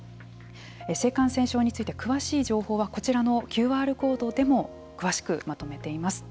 性感染症について詳しい情報はこちらのＱＲコードでも詳しくまとめています。